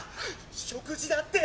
食事だって！